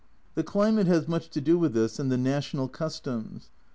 The climate has much to do with this, and the national customs.